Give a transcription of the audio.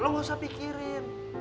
lo gak usah pikirin